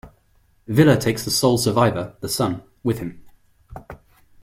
Villa takes the sole survivor, the son, with him.